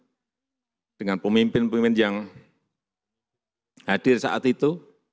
saya bertemu di g tujuh dengan pemimpin pemimpin yang hadir saat itu